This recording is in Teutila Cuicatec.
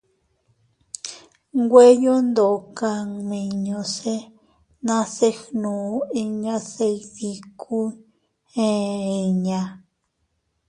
Nweyo ndoka nmiño se nase gnu inñas se iydikuy eʼe inña.